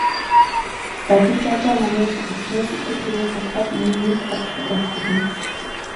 Додижажаа номыг өвчнөөс үтэр түргэн салахад, мөн мэнгэ голлоход айлтгуулна.